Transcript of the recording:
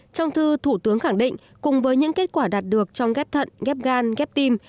trong thư thủ tướng khẳng định cùng với những kết quả đạt được trong ghép thận ghép gan ghép tim